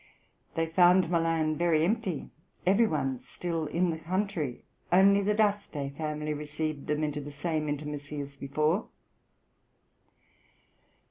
They found Milan very empty, every one still in the country; only the D'Aste family received them into the same intimacy as before.